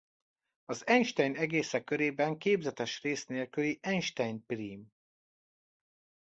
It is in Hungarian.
Az Eisenstein-egészek körében képzetes rész nélküli Eisenstein-prím.